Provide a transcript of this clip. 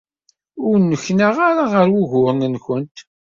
Ur nneknaɣ ara ɣer wuguren-nwent.